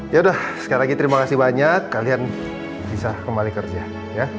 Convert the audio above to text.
yaudah sekarang lagi terima kasih banyak kalian bisa kembali kerja ya